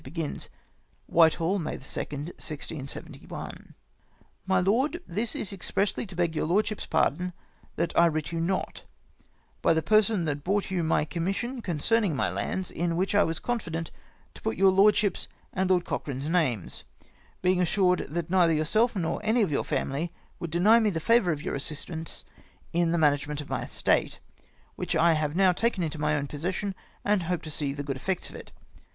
" Whitehall, May 2nd, 1671. " My Lord, — This is expressly to beg your lordship's pardon, that I writ not to you by the person that l)rought you my commission concerning my lands, in which I was confident to put your lordship's and Lord Cochrane's names ; being assured that neither yourself nor any of your family would deny me the favour of your assistance in the manage ment of my estate, which I have now taken into my own possession, and hope to see the good effects of it.